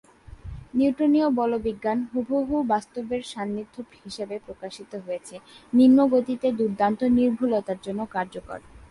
নিউটনীয় বলবিজ্ঞান হুবহু বাস্তবের সান্নিধ্য হিসাবে প্রকাশিত হয়েছে, নিম্ন গতিতে দুর্দান্ত নির্ভুলতার জন্য কার্যকর।